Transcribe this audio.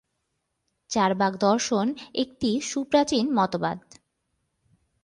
চার্বাক দর্শন একটি সুপ্রাচীন মতবাদ।